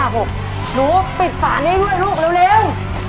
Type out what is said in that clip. หนูปิดฝานี้ด้วยลูกเร็ว